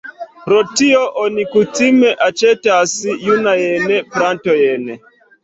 Pro tio oni kutime aĉetas junajn plantojn.